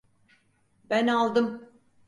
Ben aldım.